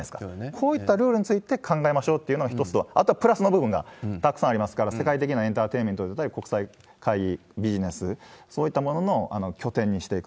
こういったルールについて考えましょうっていうのが１つと、あとはプラスの部分がたくさんありますから、世界的なエンターテインメントであったり国際会議、ビジネス、そういったものの拠点にしていく。